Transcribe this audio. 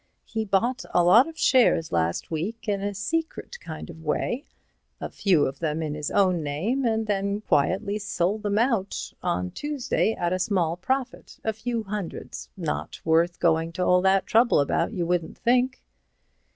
He bought a lot of shares last week, in a secret kind of way, a few of them in his own name, and then quietly sold 'em out on Tuesday at a small profit—a few hundreds, not worth going to all that trouble about, you wouldn't think."